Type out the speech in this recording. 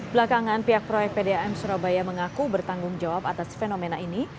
belakangan pihak proyek pdam surabaya mengaku bertanggung jawab atas fenomena ini